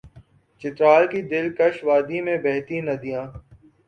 چترال کی دل کش وادی میں بہتی ندیاں